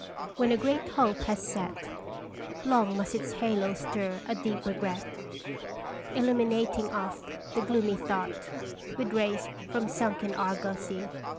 When a great hope has set Long must its halo stir a deep regret, Illuminating oft the gloomy thought With rays from sunken argosy.